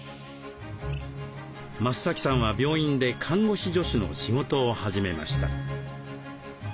増さんは病院で看護師助手の仕事を始めました。